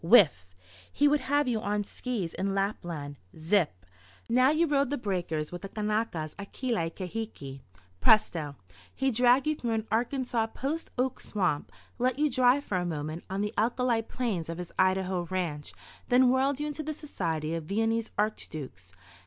Whiff! He would have you on skis in Lapland. Zip! Now you rode the breakers with the Kanakas at Kealaikahiki. Presto! He dragged you through an Arkansas post oak swamp, let you dry for a moment on the alkali plains of his Idaho ranch, then whirled you into the society of Viennese archdukes.